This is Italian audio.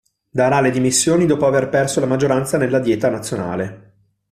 Darà le dimissioni dopo aver perso la maggioranza nella dieta nazionale.